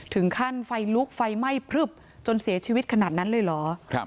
ถึงขั้นไฟลุกไฟไหม้พลึบจนเสียชีวิตขนาดนั้นเลยเหรอ